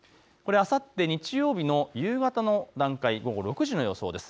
これ、あさって日曜日の夕方の段階、午後６時の予想です。